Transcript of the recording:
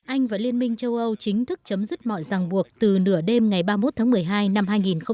anh và liên minh châu âu chính thức chấm dứt mọi ràng buộc từ nửa đêm ngày ba mươi một tháng một mươi hai năm hai nghìn hai mươi